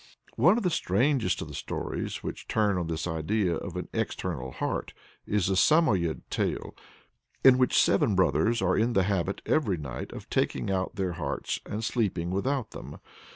One of the strangest of the stories which turn on this idea of an external heart is the Samoyed tale, in which seven brothers are in the habit, every night, of taking out their hearts and sleeping without them.